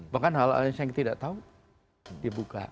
bahkan hal hal yang saya tidak tahu dibuka